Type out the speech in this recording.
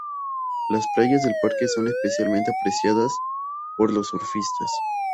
Las playas del parque son especialmente apreciadas por los surfistas.